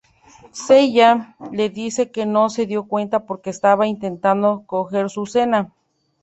Seiya le dice que no se dio cuenta porque estaba intentando coger su cena.